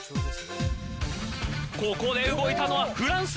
ここで動いたのはフランス。